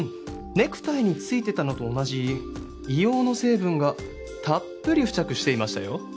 ネクタイについてたのと同じ硫黄の成分がたっぷり付着していましたよ。